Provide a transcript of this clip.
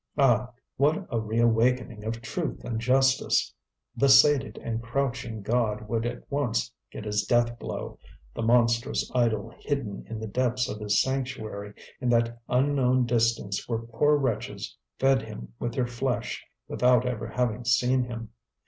Ah! what a reawakening of truth and justice! The sated and crouching god would at once get his death blow, the monstrous idol hidden in the depths of his sanctuary, in that unknown distance where poor wretches fed him with their flesh without ever having seen him.